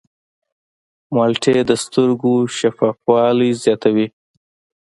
مالټې د سترګو شفافوالی زیاتوي.